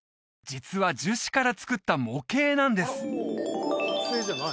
実は樹脂から作った模型なんです